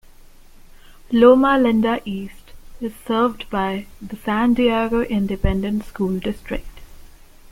Loma Linda East is served by the San Diego Independent School District.